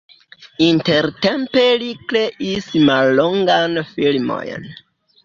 Intertempe li kreis mallongajn filmojn.